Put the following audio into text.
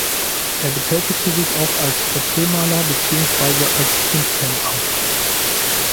Er betätigte sich auch als Porträtmaler beziehungsweise als Kunsthändler.